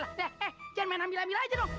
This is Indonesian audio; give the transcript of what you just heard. eh jangan main hamil hamil aja dong